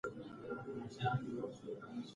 کوم فصل په لږو اوبو کې ډیر او ښه حاصل ورکوي؟